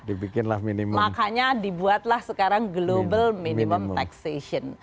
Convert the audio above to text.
dibikinlah minimum makanya dibuatlah sekarang global minimum taxation